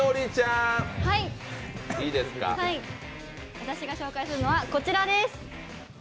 私が紹介するのはこちらです。